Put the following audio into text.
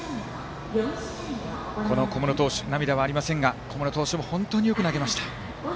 涙はありませんが小室投手も本当によく投げました。